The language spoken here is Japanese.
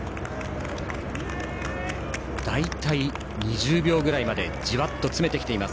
大体、２０秒ぐらいまでじわっと詰めています。